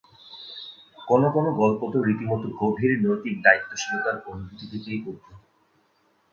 কোনো কোনো গল্প তো রীতিমতো গভীর নৈতিক দায়িত্বশীলতার অনুভূতি থেকেই উদ্ভূত।